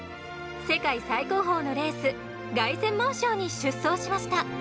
世界最高峰のレース凱旋門賞に出走しました。